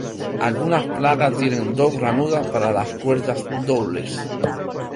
Algunas placas tienen dos ranuras para las cuerdas dobles.